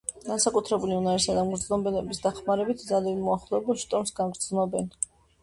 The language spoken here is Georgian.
განსაკუთრებული უნარისა და მგრძნობელობის დახმარებით, ძაღლები მოახლოებულ შტორმს გრძნობენ.